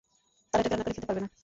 তারা এটাকে রান্না করে খেতে পারবে না।